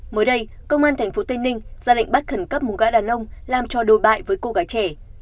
mới đây công an tp tây ninh ra lệnh bắt khẩn cấp một gái đàn ông làm cho đồi bại với cô gái trẻ